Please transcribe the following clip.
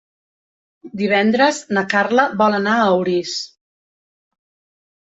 Divendres na Carla vol anar a Orís.